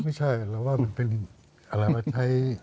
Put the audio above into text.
ไม่ใช่เราว่ามันเป็นอะไรมาใช้